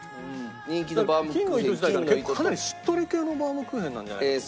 金の糸自体が結構かなりしっとり系のバウムクーヘンなんじゃないの？